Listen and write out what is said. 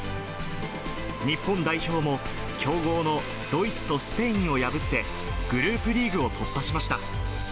日本代表も、強豪のドイツとスペインを破って、グループリーグを突破しました。